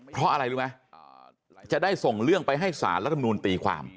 เพราะอะไรรู้ไหมจะได้ส่งเรื่องไปให้สารรัฐมนูลตีความ